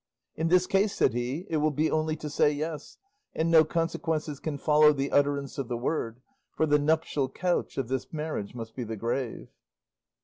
"In this case," said he, "it will be only to say 'yes,' and no consequences can follow the utterance of the word, for the nuptial couch of this marriage must be the grave."